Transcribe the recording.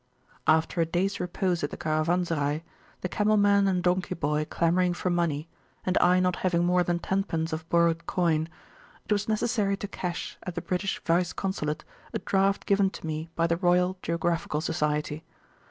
After a days repose at the Caravanserai, the camel man and donkey boy clamouring for money, and I not having more than tenpence of borrowed coin, it was necessary to cash at the British Vice Consulate a draft given to me by the Royal Geographical Society.